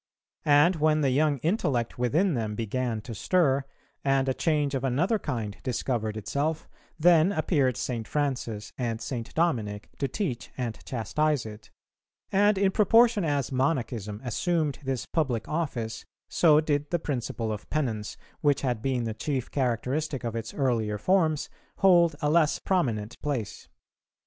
And when the young intellect within them began to stir, and a change of another kind discovered itself, then appeared St. Francis and St. Dominic to teach and chastise it; and in proportion as Monachism assumed this public office, so did the principle of penance, which had been the chief characteristic of its earlier forms, hold a less prominent place.